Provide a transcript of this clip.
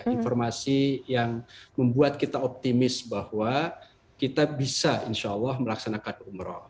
informasi yang membuat kita optimis bahwa kita bisa insya allah melaksanakan umroh